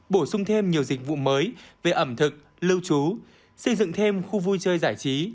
bổ sung thêm nhiều dịch vụ mới về ẩm thực lưu trú xây dựng thêm khu vui chơi giải trí